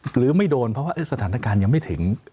หรือไม่โดนเพราะว่าสถานการณ์ยังไม่ถึง